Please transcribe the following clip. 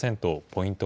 ポイント